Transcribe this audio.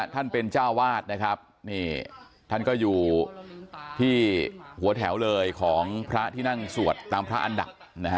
ท่านเป็นเจ้าวาดนะครับนี่ท่านก็อยู่ที่หัวแถวเลยของพระที่นั่งสวดตามพระอันดับนะฮะ